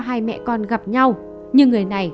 hai mẹ con gặp nhau nhưng người này